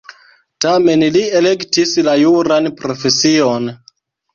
Tamen li elektis la juran profesion.